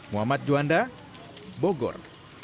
muhammad juanda bogor